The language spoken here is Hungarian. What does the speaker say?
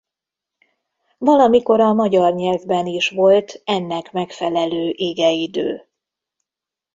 Valamikor a magyar nyelvben is volt ennek megfelelő igeidő.